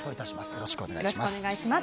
よろしくお願いします。